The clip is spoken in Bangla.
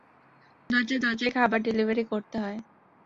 দরজায় দরজায় খাবার ডেলিভারি করতে হয়।